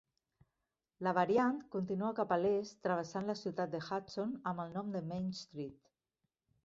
La variant continua cap a l'est travessant la ciutat de Hudson amb el nom de Main Street.